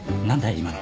今の。